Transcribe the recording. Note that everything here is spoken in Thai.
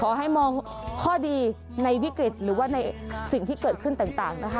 ขอให้มองข้อดีในวิกฤตหรือว่าในสิ่งที่เกิดขึ้นต่างนะคะ